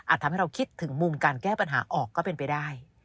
ทำให้เราคิดถึงมุมการแก้ปัญหาออกก็เป็นไปได้